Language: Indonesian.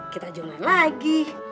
kita jualan lagi